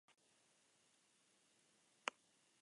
Gezurra esan du edo bestela informazio okerra dauka.